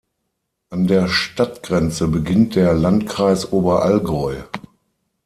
An der Stadtgrenze beginnt der Landkreis Oberallgäu.